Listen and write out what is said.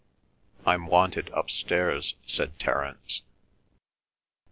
"I'm wanted upstairs," said Terence.